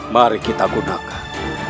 mari kita gunakan